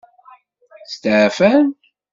Steɛfan.